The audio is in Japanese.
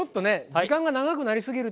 時間が長くなりすぎると。